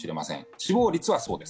死亡率はそうです。